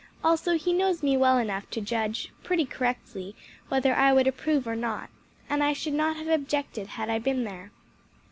Also he knows me well enough to judge pretty correctly whether I would approve or not, and I should not have objected had I been there."